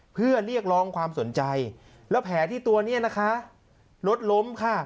เพื่อเรียกร้องความสนใจแล้วแผลที่ตัวนี้นะคะรถล้มค่ะ